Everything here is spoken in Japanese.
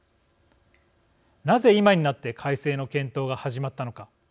なぜ、今になって改正の検討が始まったのか。